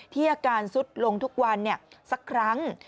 ที่อาการสุดลงทุกวันเนี่ยสักครั้ง